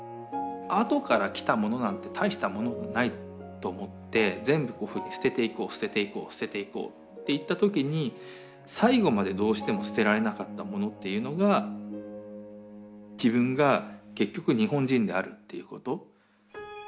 後から来たものなんて大したものもないと思って全部こういうふうに捨てていこう捨てていこう捨てていこうっていった時に最後までどうしても捨てられなかったものっていうのが自分が結局日本人であるっていうこと。